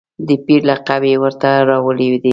د پیر لقب یې ورته راوړی دی.